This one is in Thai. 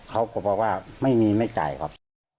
เขาบอกว่าไม่มีไม่จ่ายครับ